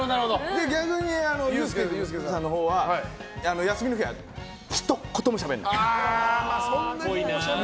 逆にユースケさんのほうは休みの日はひと言もしゃべんない。